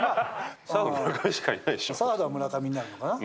サードは村上になるのかな。